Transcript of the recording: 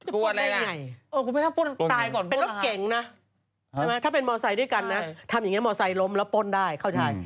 กลัวอะไรล่ะเป็นรถเก่งนะถ้าเป็นมอไซด้วยกันนะทำอย่างนี้มอไซล้มแล้วปล้นได้เข้าใจ